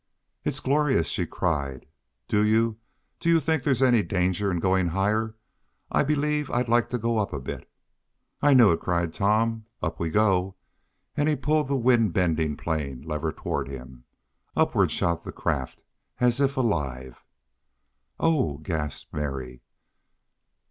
"It's glorious!" she cried. "Do you do you think there's any danger in going higher? I believe I'd like to go up a bit." "I knew it!" cried Tom. "Up we go!" And he pulled the wind bending plane lever toward him. Upward shot the craft, as if alive. "Oh!" gasped Mary.